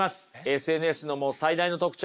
ＳＮＳの持つ最大の特徴！